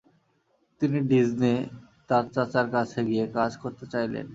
তিনি ডিজনে, তার চাচার কাছে গিয়ে কাজ করতে চাইলেন।